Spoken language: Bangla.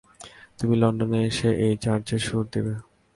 তুমি লন্ডনে এসে, এই চার্চে সুর দিবে।